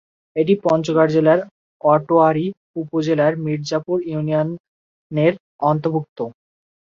এটি পঞ্চগড় জেলার আটোয়ারী উপজেলার মির্জাপুর ইউনিয়নের অন্তর্গত।